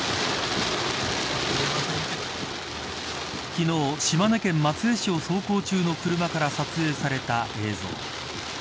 昨日、島根県松江市を走行中の車から撮影された映像。